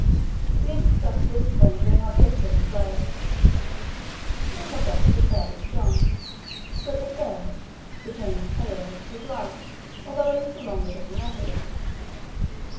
We had discussed this point during our drift on the floe. Two of our boats were fairly strong, but the third, the James Caird, was light, although a little longer than the others.